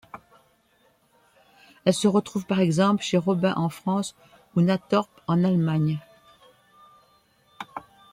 Elle se retrouve par exemple chez Robin en France ou Natorp en Allemagne.